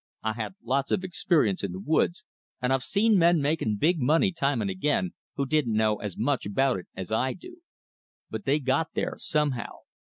I had lots of experience in the woods, and I've seen men make big money time and again, who didn't know as much about it as I do. But they got there, somehow.